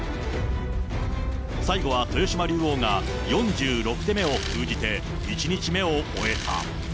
最後は豊島竜王が４６手目を封じて１日目を終えた。